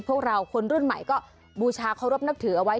พวกเราคนรุ่นใหม่ก็บูชาเคารพนับถือเอาไว้